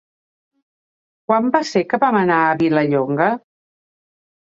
Quan va ser que vam anar a Vilallonga?